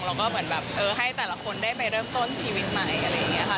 แล้วก็เหมือนแบบเออให้แต่ละคนได้ไปเริ่มต้นชีวิตใหม่อะไรอย่างนี้ค่ะ